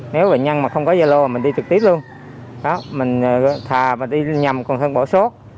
nếu bệnh nhân mà không có gia lô thì mình đi trực tiếp luôn mình thà đi nhầm còn hơn bỏ sốt